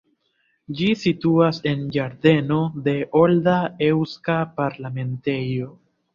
Ĝi situas en ĝardeno de olda eŭska parlamentejo.